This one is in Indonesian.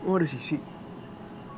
oh ada sissy